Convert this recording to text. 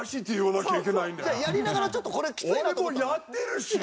やりながらちょっとこれきついなと思ったもん。